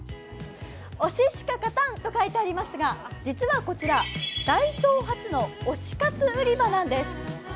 「推ししか勝たん」と書かれていますが、実はこちら、ダイソー初の推し活売り場なんです。